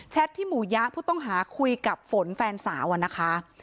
ที่หมู่ยะผู้ต้องหาคุยกับฝนแฟนสาวอะนะคะ